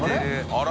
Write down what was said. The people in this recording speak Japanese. あら？